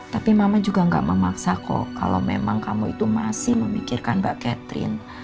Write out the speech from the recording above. tapi mama juga gak memaksa kok kalau memang kamu itu masih memikirkan mbak catherine